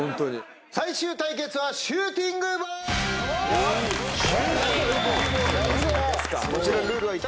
最終対決はシューティングボール！